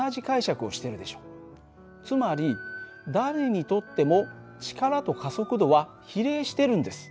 つまり誰にとっても力と加速度は比例してるんです。